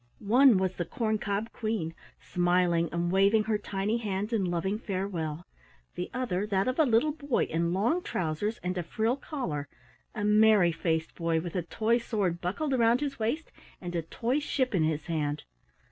One was the Corn cob Queen smiling and waving her tiny hand in loving farewell, the other that of a little boy in long trousers and a frill collar, a merry faced boy with a toy sword buckled round his waist and a toy ship in his hand.